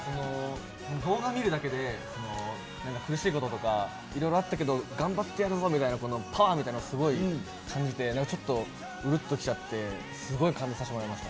動画見るだけで苦しいこととかいろいろあったけど頑張ってやるぞみたいなパワーみたいなのすごい感じてちょっとウルっと来ちゃってすごい感動させてもらいました。